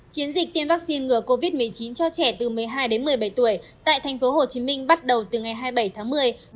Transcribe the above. chiến dịch tiêm vaccine ngừa covid một mươi chín cho trẻ từ một mươi hai đến một mươi bảy tuổi tại tp hcm bắt đầu từ ngày hai mươi bảy tháng một mươi